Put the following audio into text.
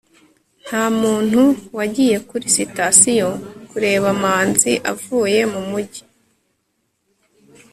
nta muntu wagiye kuri sitasiyo kureba manzi avuye mu mujyi